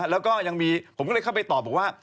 แล้วก็ยังมีผมก็เลยเข้าไปตอบบอกว่า